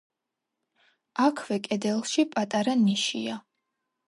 აქვე კედელში პატარა ნიშია.